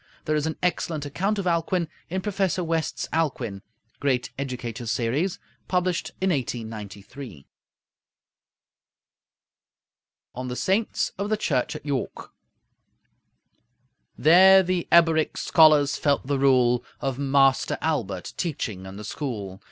There is an excellent account of Alcuin in Professor West's 'Alcuin' ('Great Educators' Series), published in 1893. Wm. H. Carpenter. ON THE SAINTS OF THE CHURCH AT YORK There the Eboric scholars felt the rule Of Master Aelbert, teaching in the school.